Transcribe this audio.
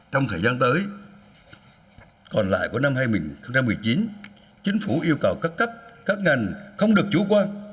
trong thời gian tới còn lại của năm hai nghìn một mươi chín chính phủ yêu cầu các cấp các ngành không được chủ quan